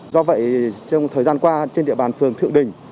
do vậy trong thời gian qua trên địa bàn phường thượng đình